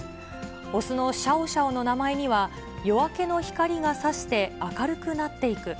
雄のシャオシャオの名前には、夜明けの光がさして明るくなっていく。